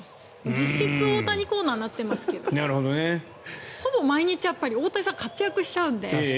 実質、大谷コーナーになってますけどほぼ毎日大谷さん活躍しちゃうので。